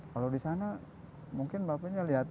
kalau di sana mungkin bapaknya lihat